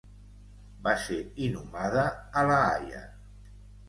Va ser inhumada a La Haia.